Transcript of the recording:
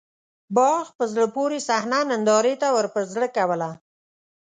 باغ په زړه پورې صحنه نندارې ته ورپه زړه کوله.